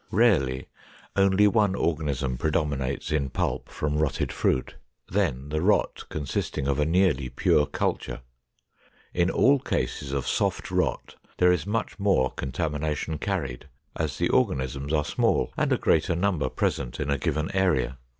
Rarely only one organism predominates in pulp from rotted fruit, then the rot consisting of a nearly pure culture. In all cases of soft rot, there is much more contamination carried, as the organisms are small and a greater number present in a given area.